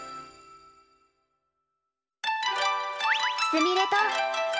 すみれと。